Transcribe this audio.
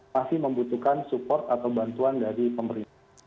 masih membutuhkan support atau bantuan dari pemerintah